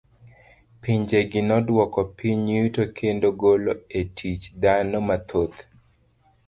Pinje gi noduoko piny yuto kendo golo e tich dhano mathoth.